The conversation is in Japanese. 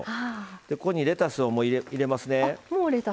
ここにレタスを入れますね。